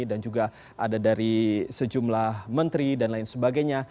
dan juga ada dari sejumlah menteri dan lain sebagainya